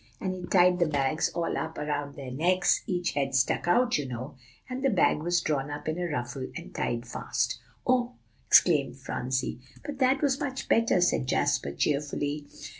And he tied the bags all up around their necks; each head stuck out, you know, and the bag was drawn up in a ruffle, and tied fast." "Oh!" exclaimed Phronsie. "But that was much better," said Jasper cheerfully.